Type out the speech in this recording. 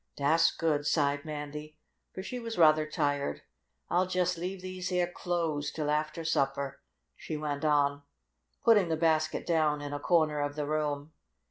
"Dass good," sighed Mandy, for she was rather tired. "I'll jest leave these yeah clothes till after supper," she went on, putting the basket down in a corner of the room.